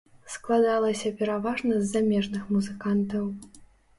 Складалася пераважна з замежных музыкантаў.